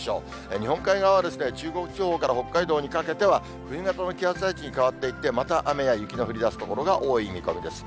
日本海側は中国地方から北海道にかけては冬型の気圧配置に変わっていって、また雨や雪の降りだす所が多い見込みです。